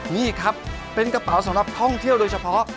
นี่ครับเป็นกระเป๋าสำหรับท่องเที่ยวโดยเฉพาะ